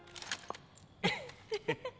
フフフッ。